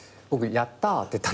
やった！って言って。